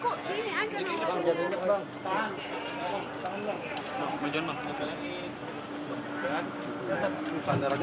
susah darahnya kepala ya